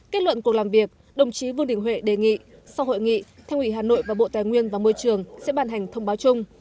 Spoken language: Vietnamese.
kết luận cuộc làm việc đồng chí vương đình huệ đề nghị sau hội nghị thành ủy hà nội và bộ tài nguyên và môi trường sẽ bàn hành thông báo chung